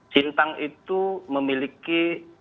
sintang itu memiliki